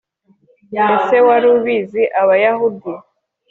Ese wari ubizi Abayahudi